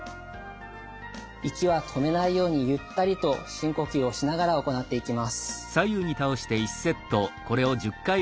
息は止めないようにゆったりと深呼吸をしながら行っていきます。